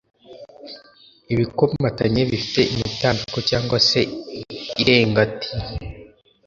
ibikomatanye bifite imitambiko cg se irenga T